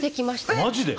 マジで？